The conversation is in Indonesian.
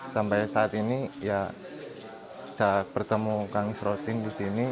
sampai saat ini ya sejak bertemu kang isrotin di sini